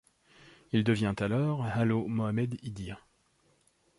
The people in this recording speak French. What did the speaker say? Il devient alors Halo Mohamed Idir.